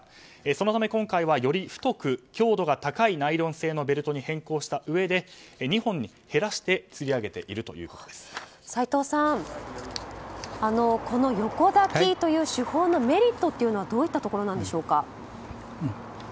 そのため今回はより太く強度の高いナイロン製に変更したうえで２本に減らして斎藤さん、この横抱きという手法のメリットはどういったところでしょうか。